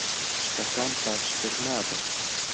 شتەکان باشتر نابن.